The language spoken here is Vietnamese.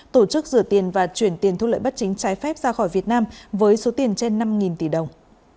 tổ chức rửa tiền và chuyển tiền thu lợi bất chính trái phép ra khỏi việt nam với số tiền trên năm tỷ đồng